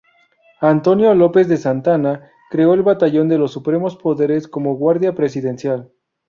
Antonio López de Santana creo el Batallón de los supremos poderes como guardia presidencial.